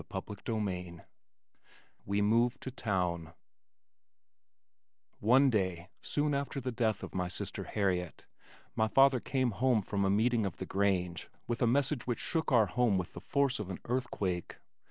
CHAPTER XVI We Move to Town One day, soon after the death of my sister Harriet, my father came home from a meeting of the Grange with a message which shook our home with the force of an earth quake.